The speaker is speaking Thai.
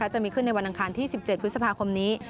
จะมีขึ้นในวันอังคารที่๑๗พฤษภาคมนี้